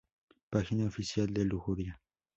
Página oficial de Lujuria